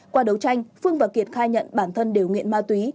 qua đấu tranh phương và kiệt khai nhận bản thân đều nghiện ma túy